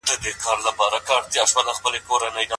د اکسفورډ پوهنتون څېړنې د غوښې اغېز سنجوي.